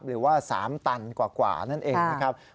หรือว่า๓ตันกว่านั่นเองนะครับ